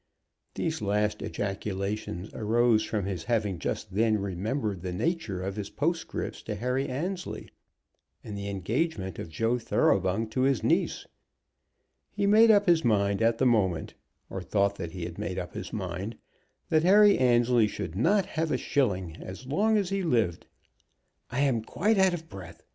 These last ejaculations arose from his having just then remembered the nature of his postscript to Harry Annesley, and the engagement of Joe Thoroughbung to his niece. He made up his mind at the moment, or thought that he had made up his mind, that Harry Annesley should not have a shilling as long as he lived. "I am quite out of breath.